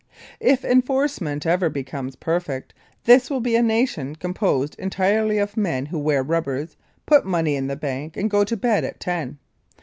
If enforcement ever becomes perfect this will be a nation composed entirely of men who wear rubbers, put money in the bank, and go to bed at ten.